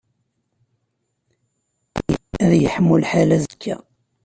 Ad yeḥmu lḥal azekka?